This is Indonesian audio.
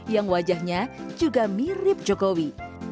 yang wajahnya juga mirip jokowi